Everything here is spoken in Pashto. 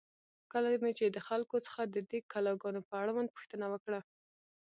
کله مې چې د خلکو څخه د دې کلا گانو په اړوند پوښتنه وکړه،